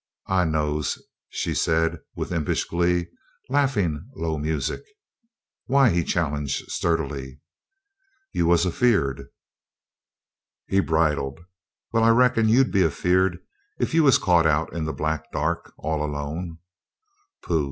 "I knows," she said, with impish glee, laughing low music. "Why?" he challenged, sturdily. "You was a feared." He bridled. "Well, I reckon you'd be a feared if you was caught out in the black dark all alone." "Pooh!"